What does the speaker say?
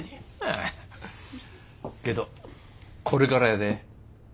けどこれからやで。